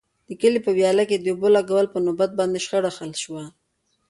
د کلي په ویاله کې د اوبو لګولو په نوبت باندې شخړه حل شوه.